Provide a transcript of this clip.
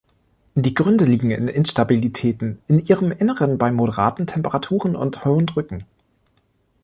Die Gründe liegen in Instabilitäten in ihrem Inneren bei moderaten Temperaturen und hohen Drücken.